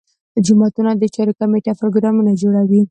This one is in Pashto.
جوماتونو د چارو کمیټه پروګرامونه جوړوي.